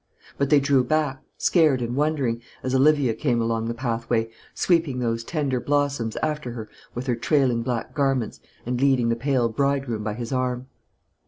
But they drew back, scared and wondering, as Olivia came along the pathway, sweeping those tender blossoms after her with her trailing black garments, and leading the pale bridegroom by his arm.